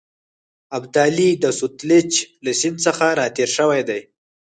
ابدالي د سوتلیج له سیند څخه را تېر شوی دی.